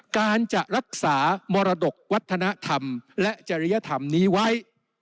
การจะรักษามรดกวัฒนธรรมและจริยธรรมนี้ไว้